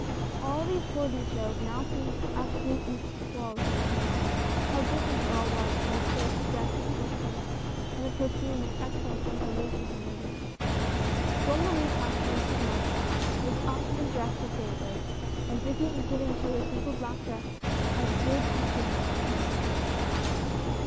All these poor details now seemed absolutely squalfd in her eyes. How different it all was from the silk dress of Clotilde and the perfume which exhaled from her laces and ribbons. Bonne Marie passed a wretched night, was up and dressed at daybreak, and busy in giving to her simple black dress as good an appearance as possible.